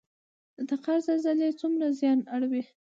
د تخار زلزلې څومره زیان اړوي؟